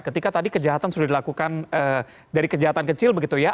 ketika tadi kejahatan sudah dilakukan dari kejahatan kecil begitu ya